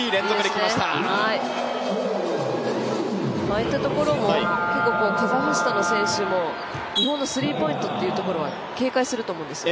ああいったところもカザフスタンの選手も日本のスリーポイントっていうところは警戒すると思うんですよ。